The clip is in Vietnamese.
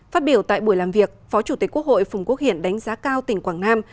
phát biểu tại buổi làm việc phó chủ tịch quốc hội phùng quốc hiển đánh giá cao tỉnh quảng nam